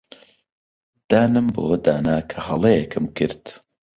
دانم بەوەدا نا کە هەڵەیەکم کرد.